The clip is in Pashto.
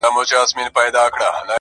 او خالق یې په لاس درکي